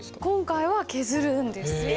今回は削るんです。